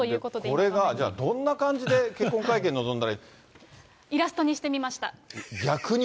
これがどんな感じで結婚会見、イラストにしてみました。